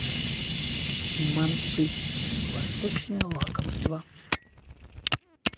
Манты - восточное лакомство.